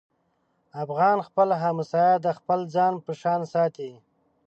افغان خپل همسایه د خپل ځان په شان ساتي.